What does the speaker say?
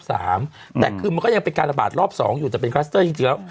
แต่คือมันก็ยังเป็นการระบาดรอบ๒อยู่แต่เป็นคลัสเตอร์จริงแล้ว